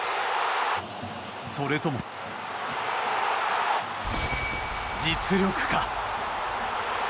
それとも実力か。